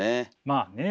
まあね。